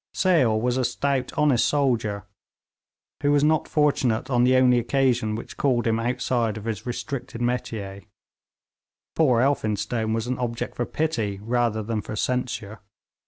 Sale was a stout, honest soldier, who was not fortunate on the only occasion which called him outside of his restricted métier. Poor Elphinstone was an object for pity rather than for censure.